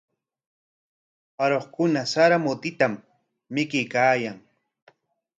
Aruqkuna sara mutitam mikuykaayan.